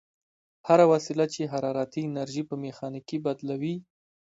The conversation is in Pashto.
هره وسیله چې حرارتي انرژي په میخانیکي بدلوي.